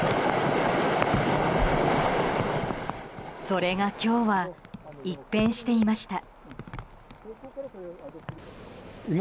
それが今日は一変していました。